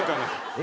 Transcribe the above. え！